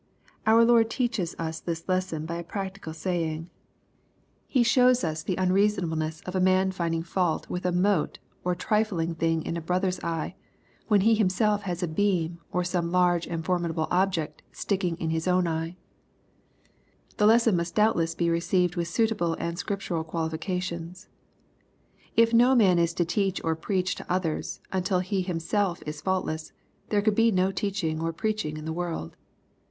Our Lord teaches us this lesson by a practical saying. He shows the unreasonableness of a man finding fault LUKE, CHAP. VI. 191 with "a mote/' or trifling thing in a brother's eye, while he himself has ^*a beam/' or some large and formidable object sticking in his own eye. The lesson must doubtless be received with suitable and scriptural qualifications. If no man m to teach or preach to others, until he himself is faultless, there could be no teaching or preaching in the world.